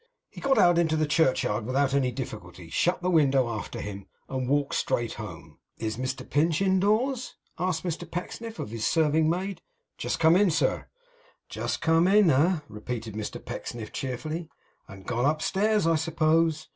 He got out into the churchyard without any difficulty; shut the window after him; and walked straight home. 'Is Mr Pinch indoors?' asked Mr Pecksniff of his serving maid. 'Just come in, sir.' 'Just come in, eh?' repeated Mr Pecksniff, cheerfully. 'And gone upstairs, I suppose?